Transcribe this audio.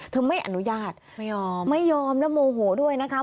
ไม่อนุญาตไม่ยอมไม่ยอมแล้วโมโหด้วยนะคะ